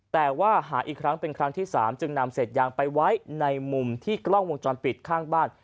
แต่ว่าหาอีกครั้งเป็นครั้งที่๓จึงนำเศษยางไปไว้ในมุมที่กล้องวงจรปิดข้างบ้าน